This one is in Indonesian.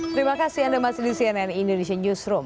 terima kasih anda masih di cnn indonesia newsroom